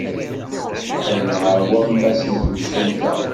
Qqlen ɣer wammas n temsulta.